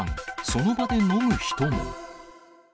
その場で飲む人も。